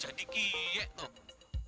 jadi kiyek tuh